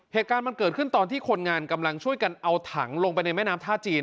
เหตุการณ์มันเกิดขึ้นตอนที่คนงานกำลังช่วยกันเอาถังลงไปในแม่น้ำท่าจีน